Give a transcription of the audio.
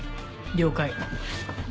了解。